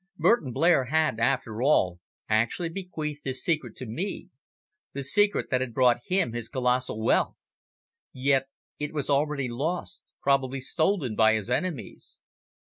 Burton Blair had, after all, actually bequeathed his secret to me, the secret that had brought him his colossal wealth! Yet it was already lost probably stolen by his enemies.